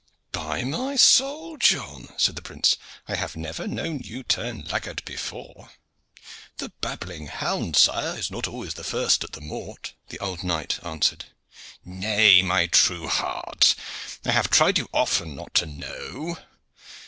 "By my soul! John," said the prince, "I have never known you turn laggard before." "The babbling hound, sire, is not always the first at the mort," the old knight answered. "Nay, my true heart! I have tried you too often not to know.